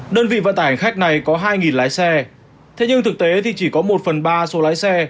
đơn vị vận tải hành khách này có hai lái xe thế nhưng thực tế thì chỉ có một phần ba số lái xe